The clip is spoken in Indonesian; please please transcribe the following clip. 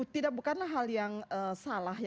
tidak bukanlah hal yang salah